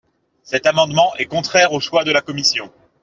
Cet amendement est contraire aux choix de la commission.